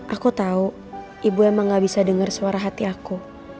aku tahu ibu emang gak bisa dengar suara hati aku